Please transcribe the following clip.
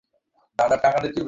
আমরা শান্তিতে থাকি।